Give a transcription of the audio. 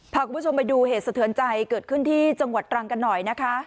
พาคุณผู้ชมไปดูเหตุสะเทือนใจเกิดขึ้นที่จังหวัดตรังกันหน่อยนะคะ